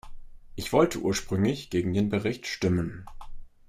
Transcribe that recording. Ich wollte ursprünglich gegen den Bericht stimmen.